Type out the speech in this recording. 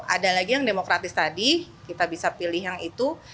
ada lagi yang demokratis tadi kita bisa pilih yang itu